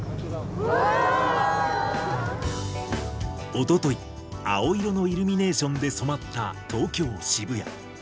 おととい、青色のイルミネーションで染まった東京・渋谷。